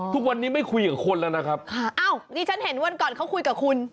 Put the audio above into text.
ทุกวันนี้ไม่คุยกับคนแล้วนะครับค่ะอ้าวนี่ฉันเห็นวันก่อนเขาคุยกับคุณ